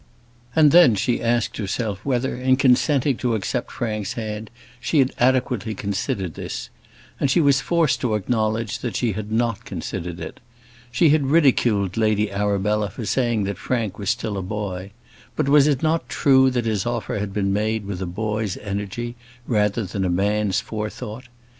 And then she asked herself whether, in consenting to accept Frank's hand, she had adequately considered this; and she was forced to acknowledge that she had not considered it. She had ridiculed Lady Arabella for saying that Frank was still a boy; but was it not true that his offer had been made with a boy's energy, rather than a man's forethought?